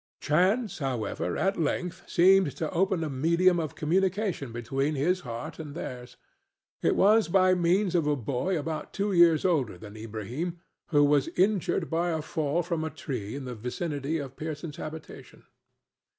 Chance, however, at length seemed to open a medium of communication between his heart and theirs; it was by means of a boy about two years older than Ilbrahim, who was injured by a fall from a tree in the vicinity of Pearson's habitation.